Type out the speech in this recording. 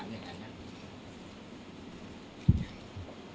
แต่ขวัญไม่สามารถสวมเขาให้แม่ขวัญได้